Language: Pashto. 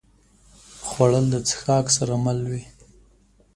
خوړل د څښاک سره مل وي